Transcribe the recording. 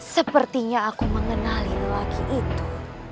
sepertinya aku mengenali lelaki itu